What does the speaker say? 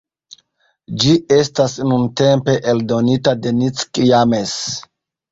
Ĝi estas nuntempe eldonita de Nick James.